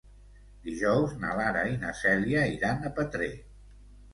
Dijous na Lara i na Cèlia iran a Petrer.